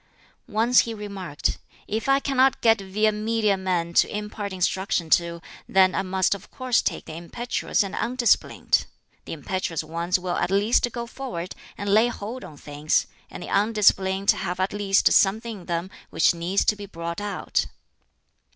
Once he remarked, "If I cannot get via media men to impart instruction to, then I must of course take the impetuous and undisciplined! The impetuous ones will at least go forward and lay hold on things; and the undisciplined have at least something in them which needs to be brought out."